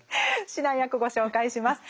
指南役ご紹介します。